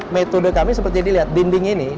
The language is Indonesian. metode kami seperti dilihat dinding ini